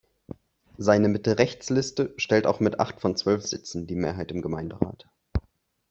Seine Mitte-rechts-Liste stellt auch mit acht von zwölf Sitzen die Mehrheit im Gemeinderat.